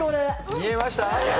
見えました？